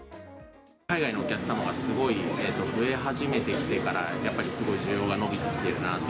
海外のお客様がすごい増え始めてきてから、やっぱりすごい需要が伸びてるなと。